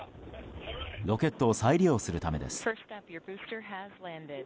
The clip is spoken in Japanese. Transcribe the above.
ロケットを再利用するためです。